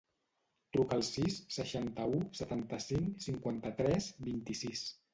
Truca al sis, seixanta-u, setanta-cinc, cinquanta-tres, vint-i-sis.